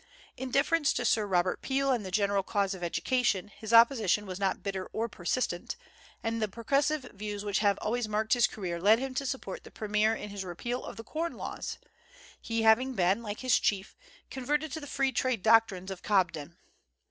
In deference to Sir Robert Peel and the general cause of education his opposition was not bitter or persistent; and the progressive views which have always marked his career led him to support the premier in his repeal of the corn laws, he having been, like his chief, converted to the free trade doctrines of Cobden.